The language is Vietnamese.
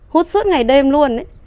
hút suốt ngày đêm luôn ấy